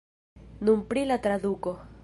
Nun pri la traduko.